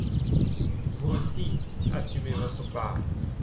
Vous aussi, assumez votre part